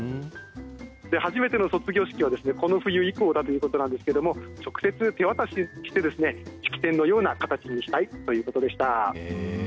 初めての卒魚式は、この冬以降だということですが直接手渡しして式典のような形にしたいということでした。